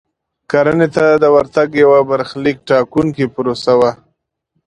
کرنې ته د ورتګ یوه برخلیک ټاکونکې پروسه وه.